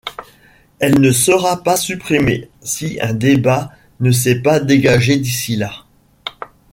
Elle ne sera pas supprimée si un débat ne s'est pas dégagé d'ici-là.